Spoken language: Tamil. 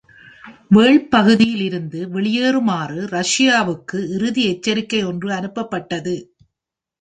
வேள்பகுதியில் இருந்து வெளியேறுமாறு ரஷியாவுக்கு இறுதி எச்சரிக்கை ஒன்று அனுப்பப்பட்டது.